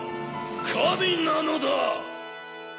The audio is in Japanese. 神なのだ！